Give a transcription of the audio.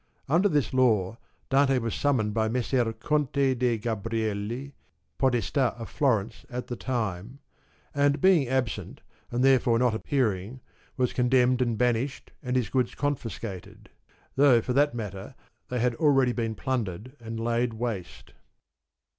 Under this law Dante was summoned by Messer Conte de' Gabrielli, Podesta of Florence at the time, and being absent, and therefore not appear ing, was condemned and banished and his goods confiscated, though for that matter, they had already been plundered and laid waste.